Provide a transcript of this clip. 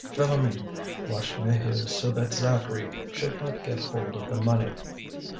Philoméne watched Maheu so that Zacharie should not get hold of the money.